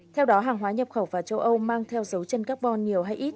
theo đó hàng hóa nhập khẩu vào châu âu mang theo dấu chân carbon nhiều hay ít